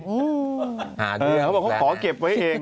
หาเรื่องแล้วนะฮะอืมเขาบอกว่าขอเก็บไว้เอง